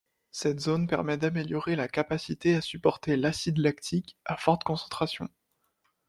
Cette zone permet d'améliorer la capacité à supporter l’acide lactique à forte concentration.